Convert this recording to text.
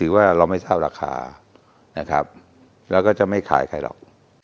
ว่าเราไม่ทราบราคานะครับแล้วก็จะไม่ขายใครหรอก